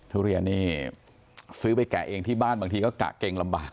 ทุเรียนนี่ซื้อไปแกะเองที่บ้านบางทีก็กะเกงลำบาก